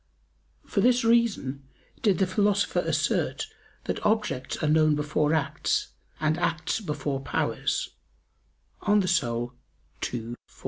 For this reason did the Philosopher assert that objects are known before acts, and acts before powers (De Anima ii, 4).